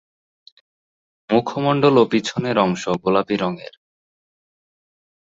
মুখমণ্ডল ও পিছনের অংশ গোলাপী রঙের।